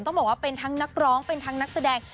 ต้องบอกว่าเป็นทั้งนักร้องเป็นทั้งนักแสดง